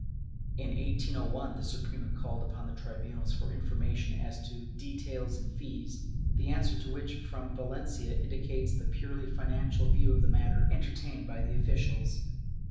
In 1801, the Suprema called upon the tribunals for information as to details and fees, the answer to which from Valencia indicates the purely financial view of the matter entertained by the officials.